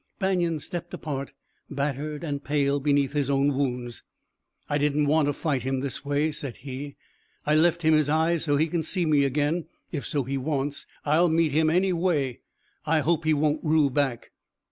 Banion stepped apart, battered and pale beneath his own wounds. "I didn't want to fight him this way," said he. "I left him his eyes so he can see me again. If so he wants, I'll meet him any way. I hope he won't rue back."